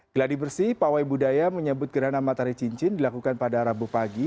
geladi bersih pawai budaya menyebut gerhana matahari cincin dilakukan pada rabu pagi